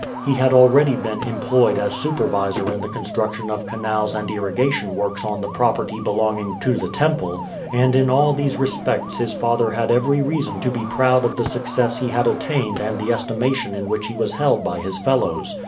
He had already been employed as supervisor in the construction of canals and irrigation works on the property belonging to the temple, and in all these respects his father had every reason to be proud of the success he had attained and the estimation in which he was held by his fellows.